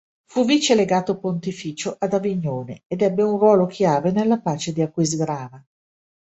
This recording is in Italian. Fu vice-legato pontificio ad Avignone, ed ebbe un ruolo chiave nella pace di Aquisgrana.